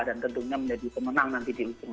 dan tentunya menjadi kemenang nanti di